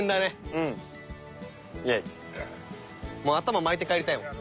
もう頭巻いて帰りたい。